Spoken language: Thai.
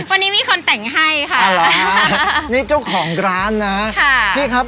วันนี้มีคนแต่งให้ค่ะนี่เจ้าของร้านนะค่ะพี่ครับ